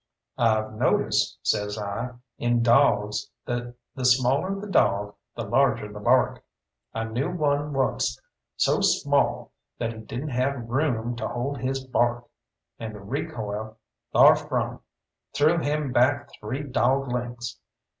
"I've noticed," says I, "in dawgs that the smaller the dawg, the larger the bark. I knew one onced so small that he hadn't room to hold his bark and the recoil tharfrom threw him back three dawg lengths.